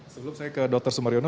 sebelum saya ke dr sumariono